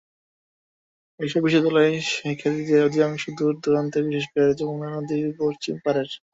এসব বিদ্যালয়ের শিক্ষকদের অধিকাংশই দূর-দূরান্তের, বিশেষ করে যমুনা নদীর পশ্চিম পারের।